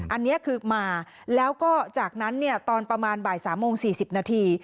อันนี้คือมาแล้วก็จากนั้นเนี่ยตอนประมาณบ่าย๓โมง๔๐นาที